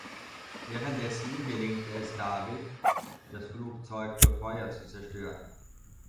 Währenddessen gelingt es David, das Flugzeug durch Feuer zu zerstören.